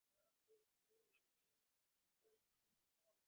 রাত বাড়ার সঙ্গে-সঙ্গে তার পাগলামি বাড়ে, অস্থিরতা বাড়ে।